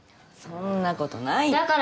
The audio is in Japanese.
そんなことないって。